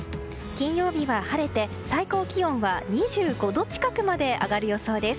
金曜日は晴れて最高気温は２５度近くまで上がる予想です。